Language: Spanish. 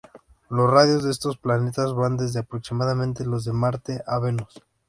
Los radios de estos planetas van desde aproximadamente los de Marte a Venus.